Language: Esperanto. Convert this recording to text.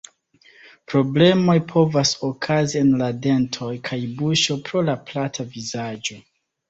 Problemoj povas okazi en la dentoj kaj buŝo pro la plata vizaĝo.